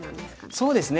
そうですね。